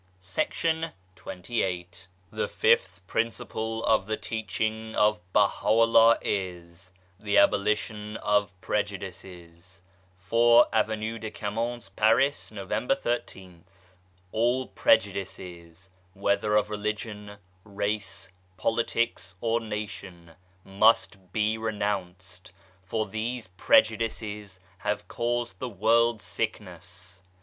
136 ABOLITION OP PREJUDICES THE FIFTH PRINCIPLE OF THE TEACHING OF BAHA'U'LLAH is : THE ABOLITION OF PREJUDICES 4, Avenue de Camoens, Paris, November I3/A. A LL Prejudices, whether of Religion, Race, Politics or Nation, must be renounced, for these prejudices have caused the world's sickness.